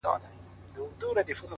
ما به يې پر سر خونونه كړي واى.!